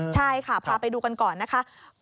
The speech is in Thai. ใช่ค่ะพาไปดูกันก่อนนะคะ